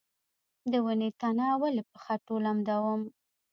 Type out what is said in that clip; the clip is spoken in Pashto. د ونې تنه ولې په خټو لمدوم؟